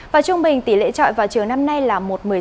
và trung bình tỷ lệ trọi vào trường năm nay là một một mươi sáu